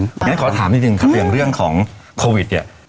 อย่างนั้นขอถามนิดนึงครับเรื่องของโควิดเนี่ย